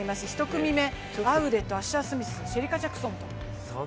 １組目、アウレとアッシャー・スミスシェリカ・ジャクソンと。